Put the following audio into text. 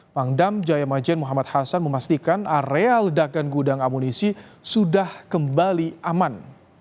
pangdam jaya majen muhammad hasan memastikan area ledakan gudang amunisi sudah kembali aman